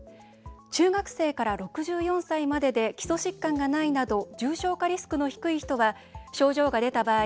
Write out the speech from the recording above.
中学生から６４歳までで基礎疾患がないなど重症化リスクの低い人は症状が出た場合